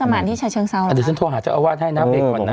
วัดสมารที่ชาเชิงเซาหรอคะเดี๋ยวฉันโทรหาเจ้าอาวาสให้น้ำเอกก่อนน่ะ